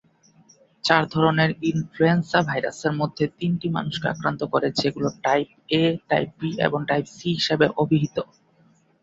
চার ধরনের ইনফ্লুয়েঞ্জা ভাইরাসের মধ্যে তিনটি মানুষকে আক্রান্ত করে যেগুলো টাইপ এ, টাইপ বি, এবং টাইপ সি হিসেবে অভিহিত।